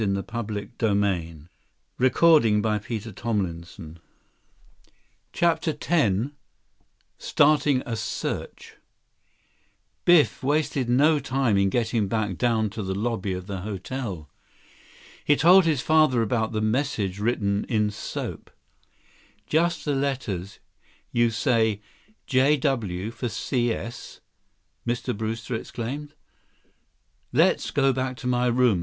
On the mirror, written in soap, was a message: "JW for Cs" 70 CHAPTER X Starting a Search Biff wasted no time in getting back down to the lobby of the hotel. He told his father about the message written in soap. "Just the letters, you say—JW for CS?" Mr. Brewster exclaimed. "Let's go back to my room.